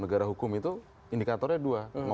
negara hukum itu indikatornya dua